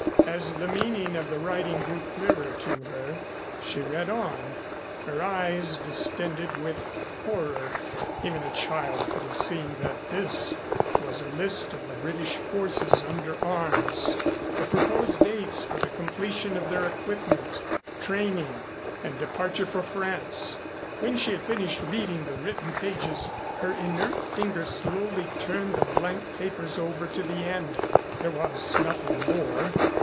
As the meaning of the writing grew clearer to her, she read on, her eyes distended with horror. Even a child could have seen that this was a list of the British forces under arms, the proposed dates for the completion of their equipment, training and departure for France. When she had finished reading the written pages, her inert fingers slowly turned the blank papers over to the end. There was nothing more.